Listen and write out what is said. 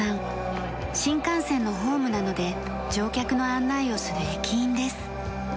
新幹線のホームなどで乗客の案内をする駅員です。